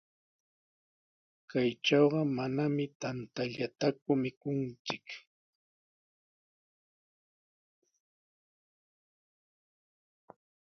Kaytrawqa manami tantallataku mikunchik.